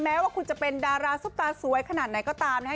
ว่าคุณจะเป็นดาราซุปตาสวยขนาดไหนก็ตามนะฮะ